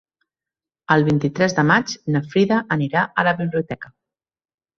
El vint-i-tres de maig na Frida anirà a la biblioteca.